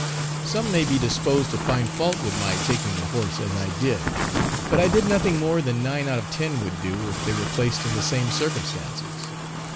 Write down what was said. Some may be disposed to find fault with my taking the horse as I did; but I did nothing more than nine out of ten would do if they were placed in the same circumstances.